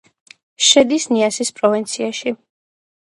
შედის ნიასის პროვინციაში.